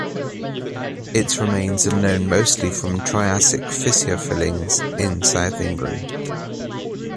Its remains are known mostly from Triassic "fissure fillings" in South England.